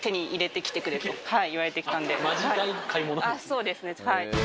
そうですね。